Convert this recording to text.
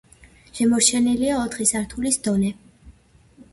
შემორჩენილია ოთხი სართულის დონე.